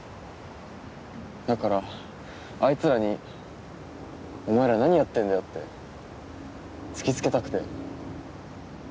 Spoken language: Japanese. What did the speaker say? だからあいつらに「お前ら何やってんだよ」って突き付けたくて。